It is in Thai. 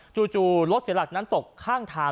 จู่รถเสียหลักนั้นตกข้างทาง